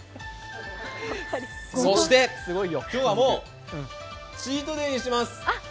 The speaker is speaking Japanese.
そして今日はもう、チートデーにします。